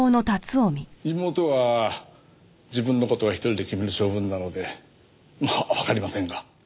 妹は自分の事は１人で決める性分なのでまあわかりませんが。